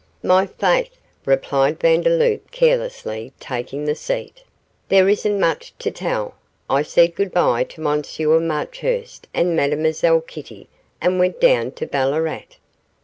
'My faith,' replied Vandeloup, carelessly taking the seat, 'there isn't much to tell I said goodbye to Monsieur Marchurst and Mademoiselle Kitty and went down to Ballarat.